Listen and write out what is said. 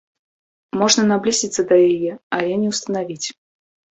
Можна наблізіцца да яе, але не ўстанавіць.